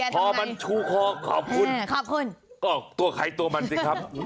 พอมันชูคอขอบคุณก็ตัวไข้ตัวมันสิครับ